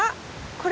これ。